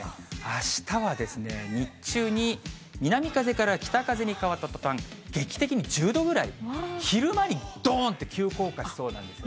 あしたはですね、日中に南風から北風に変わった途端、劇的に１０度ぐらい、昼間にどーんって急降下しそうなんですよね。